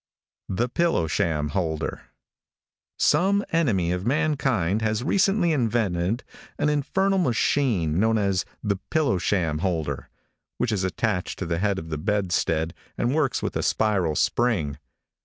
THE PILLOW SHAM HOLDER. |SOME enemy to mankind has recently invented an infernal machine known as the pillow sham holder, which is attached to the head of the bedstead and works with a spiral spring.